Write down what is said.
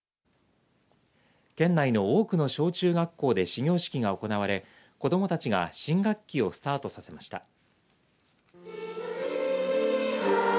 県内の多くの小中学校で始業式が行われ子どもたちが新学期をスタートさせました。